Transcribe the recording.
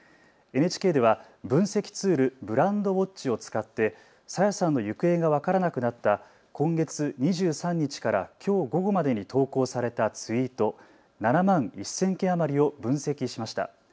ＮＨＫでは分析ツール、ブランドウォッチを使って朝芽さんの行方が分からなくなった今月２３日からきょう午後までに投稿されたツイート、７万２０００件余りを分析しました。